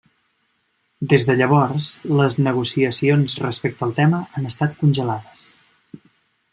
Des de llavors les negociacions respecte al tema han estat congelades.